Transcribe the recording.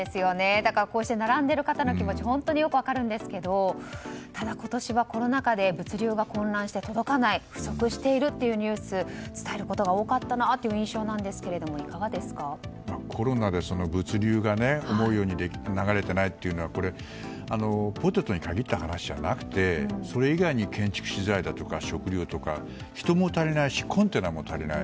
だからこうして並んでいる方の気持ちよく分かるんですが今年はコロナ禍で物流が混乱して届かない不足しているというニュースを伝えることが多かったなという印象ですけどコロナで物流が思うように流れていないというのはポテトに限った話じゃなくてそれ以外に建築資材だとか、食料だとか人も足りないしコンテナも足りない。